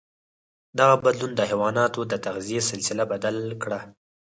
دغه بدلون د حیواناتو د تغذيې سلسله بدل کړه.